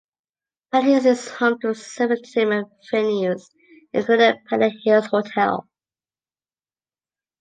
Pennant Hills is home to several entertainment venues including the Pennant Hills Hotel.